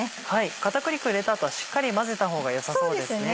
片栗粉入れた後はしっかり混ぜた方がよさそうですね。